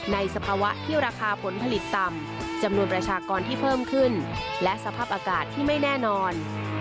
สภาวะที่ราคาผลผลิตต่ำจำนวนประชากรที่เพิ่มขึ้นและสภาพอากาศที่ไม่แน่นอน